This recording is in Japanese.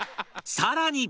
さらに！